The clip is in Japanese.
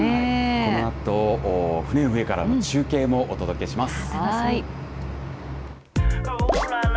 このあと、船の上からの中継もお届けします。